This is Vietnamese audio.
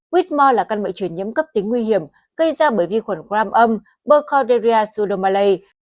whitmore là căn bệnh chuyển nhiễm cấp tính nguy hiểm gây ra bởi vi khuẩn gram âm bercorderia pseudomallei